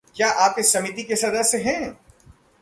क्या आप इस समिति के सदस्य हैं?